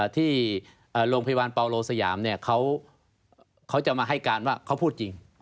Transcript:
ที่โรงพยาบาลเปาโลสยามเขาจะมาให้การว่าเขาพูดจริง